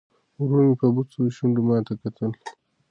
ورور مې په بوڅو شونډو ماته کتل.